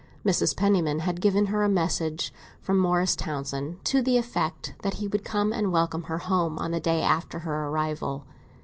Mrs. Penniman had given her a message from Morris Townsend, to the effect that he would come and welcome her home on the day after her arrival.